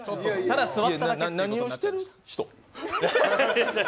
何をしてる人？